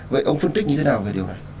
vậy ông phân tích như thế nào về điều này